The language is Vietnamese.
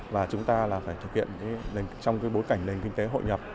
và chúng ta là phải thực hiện trong bối cảnh nền kinh tế hội nhập